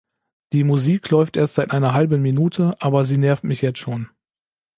Die Musik läuft erst seit einer halben Minute, aber sie nervt mich jetzt schon.